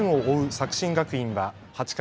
作新学院は８回。